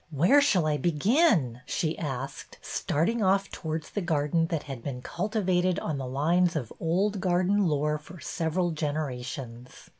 Where shall I begin ?" she asked, starting off towards the garden that had been cultivated on the lines of old garden lore for several generations.